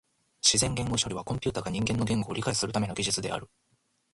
自然言語処理はコンピュータが人間の言語を理解するための技術である。